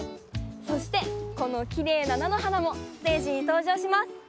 そしてこのきれいななのはなもステージにとうじょうします。